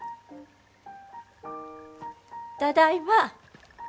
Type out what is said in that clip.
ただいま。